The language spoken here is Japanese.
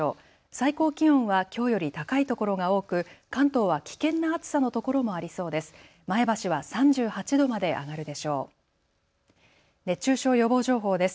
最高気温はきょうより高い所が多く関東は危険な暑さのところもありそうです。